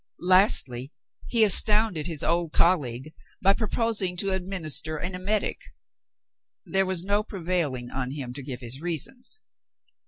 Lastly, he astounded his old colleague by proposing to administer an emetic. There was no prevailing on him to give his reasons.